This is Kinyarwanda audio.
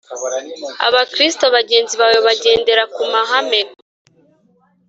Abakristo bagenzi bawe bagendera ku mahame .